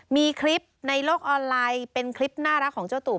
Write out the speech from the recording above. มีคลิปในโลกออนไลน์เป็นคลิปน่ารักของเจ้าตูบ